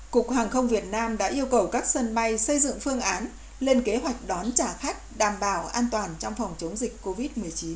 cục hàng không việt nam đã yêu cầu các sân bay xây dựng phương án lên kế hoạch đón trả khách đảm bảo an toàn trong phòng chống dịch covid một mươi chín